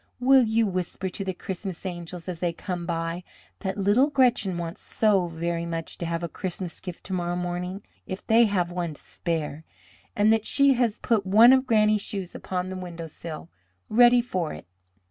Will you whisper to the Christmas angels as they come by that little Gretchen wants so very much to have a Christmas gift to morrow morning, if they have one to spare, and that she has put one of Granny's shoes upon the windowsill ready for it?"